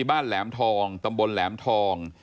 แหลมทองตำบลแหลมทอง